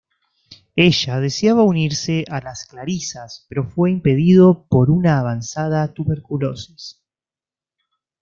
Ella deseaba unirse a las Clarisas, pero fue impedido por una avanzada tuberculosis.